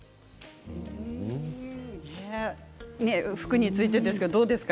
服についてですけれどもどうですか？